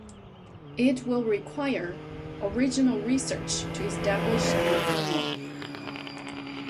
It will require original research to establish anything more.